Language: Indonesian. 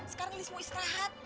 sekarang lihs mau istirahat